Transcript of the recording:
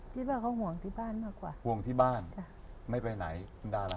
คิดว่าเขาห่วงที่บ้านมากกว่าห่วงที่บ้านค่ะไม่ไปไหนคุณดารา